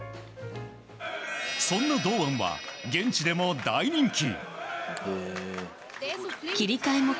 そんな堂安は現地でも大人気。